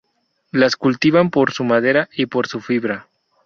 Las cultivan por su madera y por su fibra.